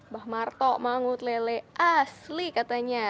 bah marto mangut lele asli katanya